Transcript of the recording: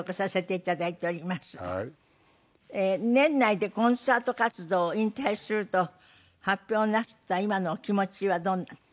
年内でコンサート活動を引退すると発表なすった今のお気持ちはどんな？